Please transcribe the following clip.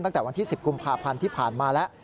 ตั้งแต่วันที่๑๐กุมภาพันธ์ที่ผ่านมาแล้ว